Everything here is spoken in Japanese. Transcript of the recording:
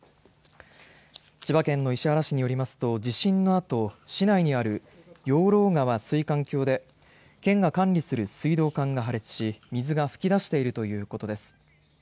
千葉県の市原市によりますと地震のあと市内にある養老川水管橋で県が管理する水道管が破裂し水が噴き出しているということです。